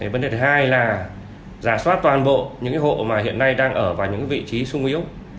vấn đề thứ hai là giả soát toàn bộ những hộ mà hiện nay đang ở vào những vị trí sung yếu